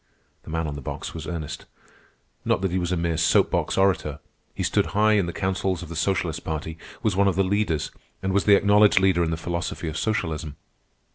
The man on the box was Ernest. Not that he was a mere soap box orator. He stood high in the councils of the socialist party, was one of the leaders, and was the acknowledged leader in the philosophy of socialism.